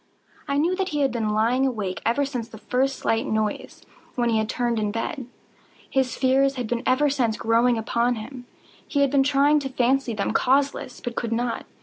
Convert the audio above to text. I knew that he had been lying awake ever since the first slight noise, when he had turned in the bed. His fears had been ever since growing upon him. He had been trying to fancy them causeless, but could not.